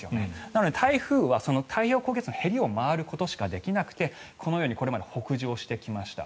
なので台風は太平洋高気圧のへりを回ることしかできなくてこのようにこれまで北上してきました。